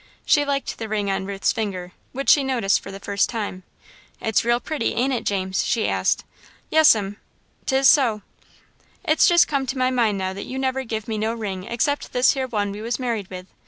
She liked the ring on Ruth's finger, which she noticed for the first time. "It's real pretty, ain't it, James?" she asked. "Yes'm, 't is so." "It's just come to my mind now that you never give me no ring except this here one we was married with.